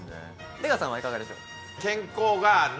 出川さんはいかがでしょう？